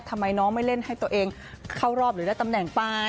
ทำไมน้องไม่เล่นให้ตัวเองเข้ารอบหรือได้ตำแหน่งไป